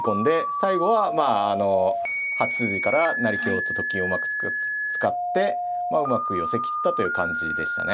最後はまああの８筋から成香とと金をうまく使ってうまく寄せ切ったという感じでしたね。